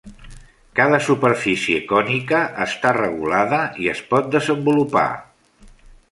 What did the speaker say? Cada superfície cònica està regulada i es pot desenvolupar.